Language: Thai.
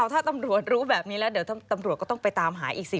ถ้าตำรวจรู้แบบนี้แล้วเดี๋ยวตำรวจก็ต้องไปตามหาอีกสิ